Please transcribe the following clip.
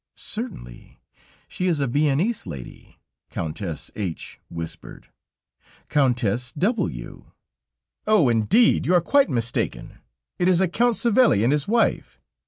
"Certainly! She is a Viennese lady," Countess H whispered; "Countess W ." "Oh! Indeed you are quite mistaken; it is a Count Savelli and his wife.